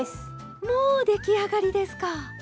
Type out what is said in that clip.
もう出来上がりですか？